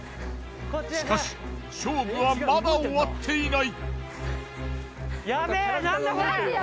しかし勝負はまだ終わっていない。